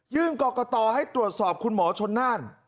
กรกตให้ตรวจสอบคุณหมอชนน่าน